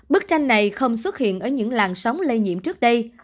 bức tranh này không xuất hiện ở những làng sóng lây nhiễm trước đây